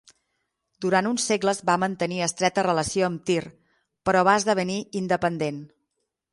Durant uns segles va mantenir estreta relació amb Tir, però va esdevenir independent.